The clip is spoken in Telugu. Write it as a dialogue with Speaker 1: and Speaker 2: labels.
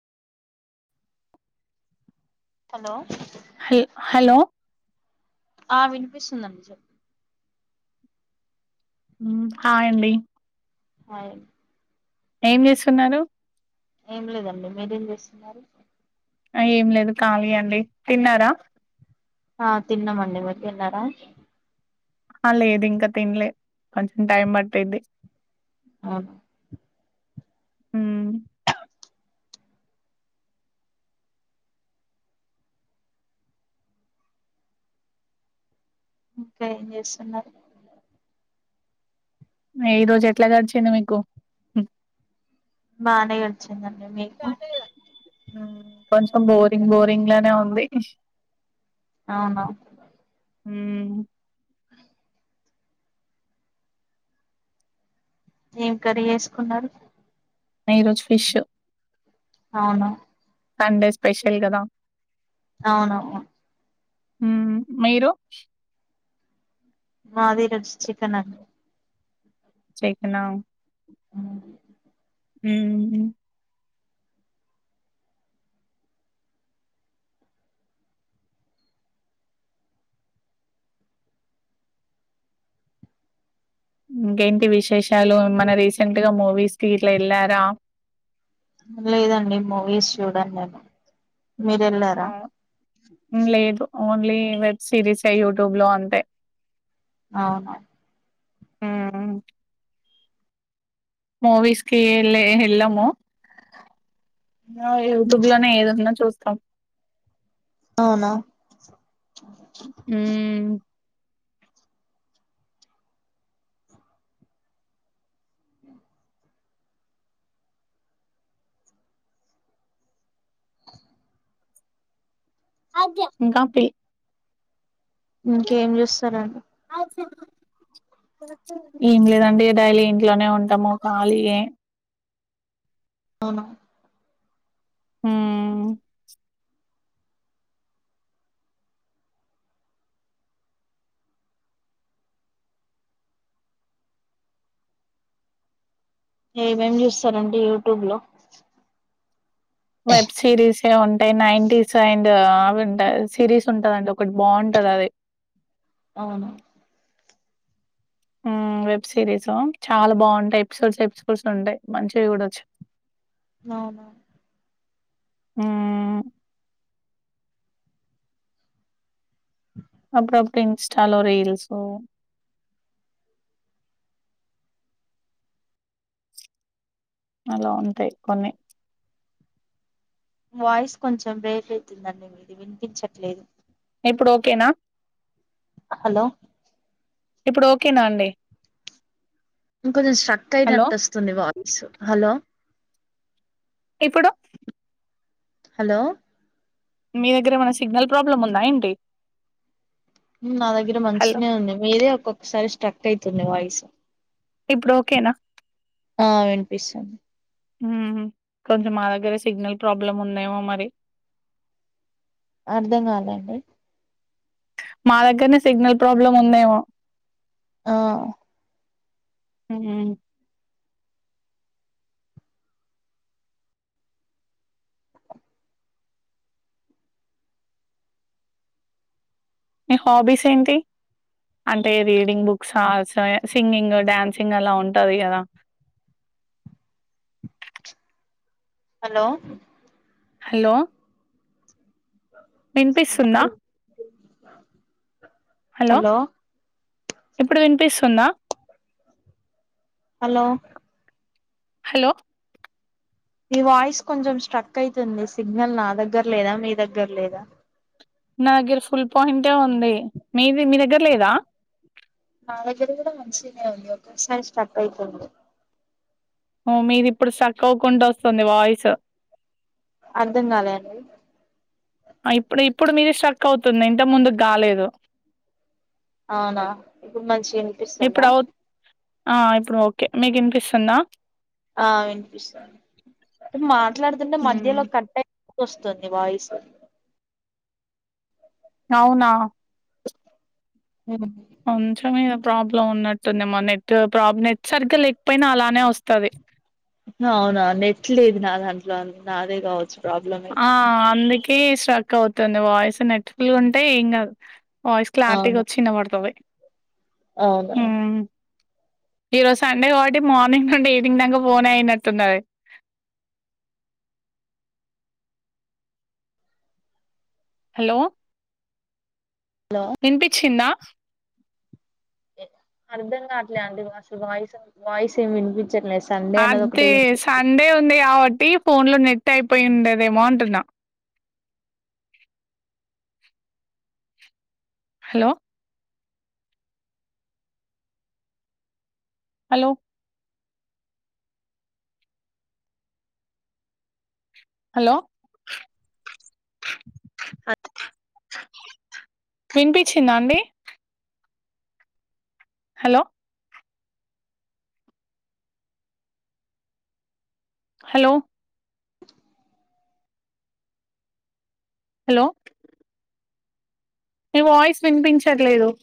Speaker 1: హలో
Speaker 2: హ హలో
Speaker 1: ఆ వినిపిస్తుందండి చెప్పండి
Speaker 2: ఉమ్ హాయ్ అండి
Speaker 1: హాయ్
Speaker 2: ఏం చేస్తున్నారు
Speaker 1: ఏం లేదండి మీరేం చేస్తున్నారు
Speaker 2: ఆ ఏం లేదు కాలి అండి తిన్నారా
Speaker 1: ఆ తిన్నమండి మీరు తిన్నారా
Speaker 2: ఆ లేదు ఇంకా తినలే కొంచెం టైం పట్టిద్ది
Speaker 1: అవునా
Speaker 2: ఉమ్
Speaker 1: ఇంకా ఏం చేస్తున్నారు
Speaker 2: ఈ రోజు ఎట్లా గడిచింది మీకు
Speaker 1: బానే గడిచిందండి మీకు
Speaker 2: మ్ కొంచెం బోరింగ్ బోరింగ్ లానే ఉంది
Speaker 1: అవును
Speaker 2: ఊ మ్
Speaker 1: ఏం కర్రీ చేసుకున్నారు
Speaker 2: ఈరోజు ఫిష్
Speaker 1: అవును
Speaker 2: సండే స్పెషల్ గద
Speaker 1: అవునవు
Speaker 2: మ్ మీరు
Speaker 1: మాది ఈరోజు చికెన్ అండి
Speaker 2: చికెను
Speaker 1: ఉమ్
Speaker 2: ఊ మ్ ఇంకేంటి విశేషాలు మన రీసెంట్ గా మూవీస్ కి ఇట్ల వెళ్ళారా
Speaker 1: లేదండి మూవీస్ చూడన్ నేను మీరు వెళ్ళారా
Speaker 2: అవు లేదు ఓన్లీ వెబ్ సిరీస్ యూట్యూబ్ లో అంతే
Speaker 1: ఆహ
Speaker 2: ఉ మూవీస్కి వెలె ఎళ్ళమో ఆ యూట్యూబ్ లోనే ఏదన్నా చూస్తాం
Speaker 1: అవున
Speaker 2: హు కాఫి
Speaker 1: ఇంకేం చూస్తరండి
Speaker 2: ఏం లేదండి డైలీ ఇంట్లోనే ఉంటాము ఖాళీ యె
Speaker 1: అవున
Speaker 2: హు
Speaker 1: ఏమేమ్ చూస్తారండి యూట్యూబ్ లో
Speaker 2: వెబ్ సిరీస్ే ఉంటాయి నైన్ టీస్ అండ్ అవింటాయి సిరీస్ ఉంటదండి ఒకటి బాగుంటది అది
Speaker 1: అవును
Speaker 2: ఆ వెబ్ సిరీస చాల బాగుంటాయి ఎపిసోడ్స్ ఎపిసోడ్స్ ఉంటాయి మంచిగ చూడోచ్చు
Speaker 1: అవున
Speaker 2: మ్ అప్పు అప్పుడు ఇన్స్టాలో రీల్స్ అలా అంతే కొన్ని
Speaker 1: వాయిస్ కొంచెం బ్రేక్ అయితుందండి మీది వినిపిచ్చట్లేదు
Speaker 2: ఇప్పు డోక్కేన
Speaker 1: హలో
Speaker 2: ఇప్పుడు ఓకేనా అండి
Speaker 1: ఇంకొంచెం స్ట్రక్
Speaker 2: హలో
Speaker 1: అయినట్ వస్తుంది వాయిస్ హలో
Speaker 2: ఇప్పుడు
Speaker 1: హలో
Speaker 2: మీ దగ్గర ఏమన్న సిగ్నల్ ప్రాబ్లమ్ ఉందా ఏంటి
Speaker 1: నా దగ్గర
Speaker 2: హలో
Speaker 1: మంచిినె ఉంది మీరే ఒక్కొక్కసారి స్ట్రక్ అయితుంది వాయిస్
Speaker 2: ఇప్పుడు ఓకేన
Speaker 1: ఆ విన్పిస్తుంది
Speaker 2: కొంచెం మా దగ్గర సిగ్నల్ ప్రాబ్లమ్ ఉందేమో మరి
Speaker 1: అర్ధం కాదండి
Speaker 2: మా దగ్గర్నే సిగ్నల్ ప్రాబ్లమ్ ఉందేమో
Speaker 1: ఆ
Speaker 2: ఉ ఊమ్ మీ హాబీస్ ఏంటి అంటే రీడింగ్ బుక్స్ ఆ సో సింగింగ్ డ్యాన్సింగ్ అలా ఉంటది కదా
Speaker 1: హలో
Speaker 2: హలో విన్పిస్తుందా
Speaker 1: హలో
Speaker 2: ఎప్పుడు విన్పిస్తుందా
Speaker 1: హలో
Speaker 2: హలో
Speaker 1: మీ వాయిస్ కొంచెం స్ట్రక్ అయితుంది సిగ్నల్ నా దగ్గర లేదా మీ దగ్గర లేదా.
Speaker 2: నా దగ్గర ఫుల్ పాయింటే ఉంది మీది మీ దగ్గర లేదా.
Speaker 1: నా దగ్గర కూడా మంచిగానే ఉంది ఒక్కోసారి స్ట్రక్ అయితుంది.
Speaker 2: హో మీది ఇప్పుడు సక్ అవకుండా వస్తుంది వాయిసు.
Speaker 1: అర్ధంకాలే అండి
Speaker 2: ఇప్పుడు ఇప్పుడు మీది స్ట్రక్ అవుతుంది ఇంతకు ముందు కాలేదు.
Speaker 1: అవునా ఇప్పుడు మంచి వినిపిస్తుందా.
Speaker 2: ఇప్పుడు అవు ఆ ఇప్పుడు ఓకే మీకు ఇనిపిస్తుందా.
Speaker 1: ఆ వినిపిస్తంది మాట్లాడుతుంటే మధ్యలో కటై వస్తుంది వాయిస్
Speaker 2: అవునా
Speaker 1: ఉ
Speaker 2: ఒనచమేద ప్రాబ్లం ఉన్నట్టుంది మా నెట్ ప్రాబ్లమ్ నెట్ సరిగ్గా లేకపోయినా అలానే వస్తది.
Speaker 1: అవునా నెట్ లేదు నా దాంట్లో అన్ నాదే కావచ్చు. ప్రాబ్లం అయితే
Speaker 2: ఆ అందుకే స్ట్రక్ అవుతుంది వాయిస్ నెట్కులు అంటే ఏం కాదు. వాయిస్ క్లారిటీగా
Speaker 1: అవును
Speaker 2: వచ్చి వినపడతది.
Speaker 1: అవునా
Speaker 2: ఈరోజు సండే కాబట్టి మార్నింగ్ నుండి ఈవినింగ్ దాక ఫోన్ అయినట్టున్నది. [inaudible] హలో
Speaker 1: హలో
Speaker 2: వినిపించిందా
Speaker 1: అర్ధం గాట్లా అంటే అసలు వాయిసు వాయిస్ ఏమి వినిపి
Speaker 2: అదే సండే ఉంది కావ ట్టి ఫోన్ లో నెట్ అయిపోయి ఉండదేమో అంటున్నా. హలో హలో హలో వినిపించిందా అండి హలో హలో హలో నీ వాయిస్ వినిపించట్లేదు